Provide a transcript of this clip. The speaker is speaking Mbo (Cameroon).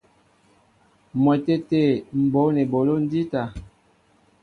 M̀wɛtê tê m̀ bǒl eboló jíta.